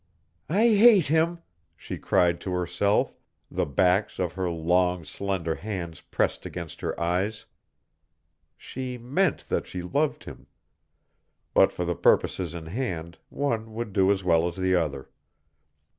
"I hate him!" she cried to herself, the backs of her long, slender hands pressed against her eyes. She meant that she loved him, but for the purposes in hand one would do as well as the other.